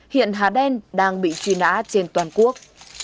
hiện hà đen đang bị truy nã trên toàn quốc